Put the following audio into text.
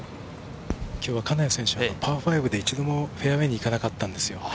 金谷選手、パー５で一度もフェアウエーに行かなかったんですよ。